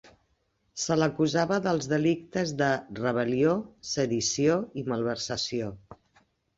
Se l'acusava dels delictes de rebel·lió, sedició i malversació.